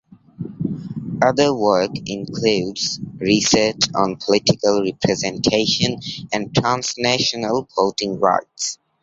Other work includes research on political representation and transnational voting rights.